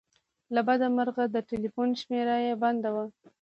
له بده مرغه د ټیلیفون شمېره یې بنده وه.